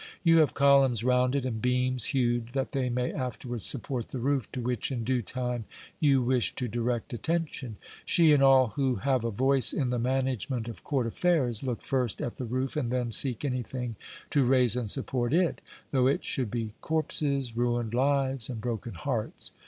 You have columns rounded and beams hewed that they may afterwards support the roof to which in due time you wish to direct attention. She and all who have a voice in the management of court affairs look first at the roof and then seek anything to raise and support it, though it should be corpses, ruined lives, and broken hearts.